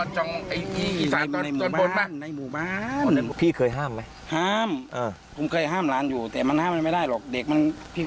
เฉพาะในจังหวัดหรือในภาคอยู่แค่ระดับสองนะพี่